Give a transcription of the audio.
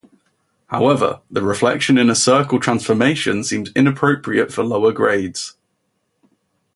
However, the reflection in a circle transformation seems inappropriate for lower grades.